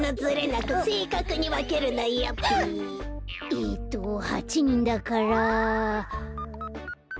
えっと８にんだから。